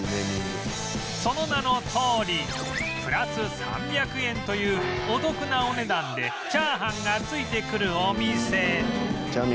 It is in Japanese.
その名のとおりプラス３００円というお得なお値段でチャーハンが付いてくるお店